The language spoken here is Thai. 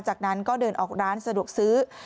จากนั้นก็เดินออกร้านสะดวกซื้อ